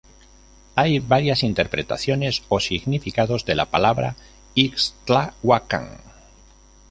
Hay varias interpretaciones o significados de la palabra Ixtlahuacán.